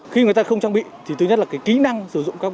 khi người ta không trang bị thì thứ nhất là cái kỹ năng sử dụng các